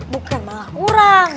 bukan malah kurang